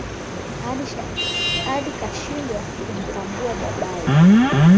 Ali kashindwa kuntambua babaye